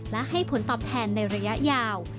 และให้ผลตอบแทนในระยะยาว